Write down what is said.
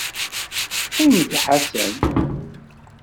Qqim d Ḥasan.